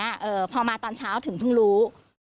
เอ่อพอมาตอนเช้าถึงเพิ่งรู้